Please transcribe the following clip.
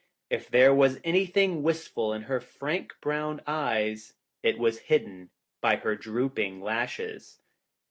If there was any thing wistful in her frank, brown eyes, it was hidden by her drooping lashes.